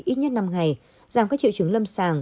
ít nhất năm ngày giảm các chịu trứng lâm sàng